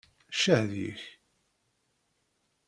Ccah deg-k.